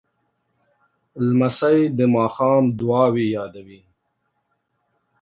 لمسی د ماښام دعاوې یادوي.